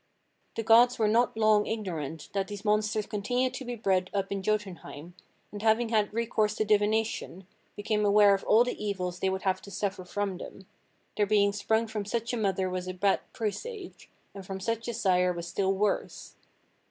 The gods were not long ignorant that these monsters continued to be bred up in Jotunheim, and, having had recourse to divination, became aware of all the evils they would have to suffer from them; their being sprung from such a mother was a bad presage, and from such a sire was still worse.